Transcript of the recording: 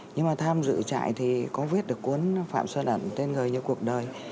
nhưng mà tham dự trại thì có viết được cuốn phạm so đẳng tên người như cuộc đời